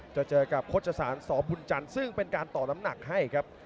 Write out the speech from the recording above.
จะเจอกับโฆษศาลสบุญจันทร์ซึ่งเป็นการต่อน้ำหนักให้ครับ